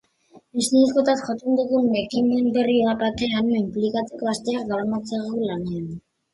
Ezinbestekotzat jotzen dugun ekimen berri batean inplikatzeko asteak daramatzagu lanean.